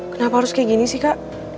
kenapa harus kayak gini sih kak